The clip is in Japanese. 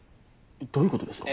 どういうことですか？